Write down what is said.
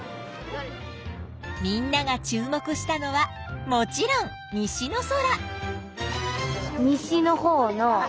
みんなが注目したのはもちろん西の空。